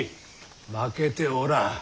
負けておらん。